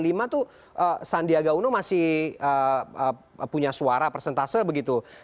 itu sandiaga uno masih punya suara persentase begitu